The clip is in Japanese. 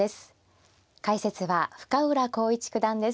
解説は深浦康市九段です。